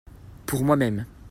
Pour moi-même.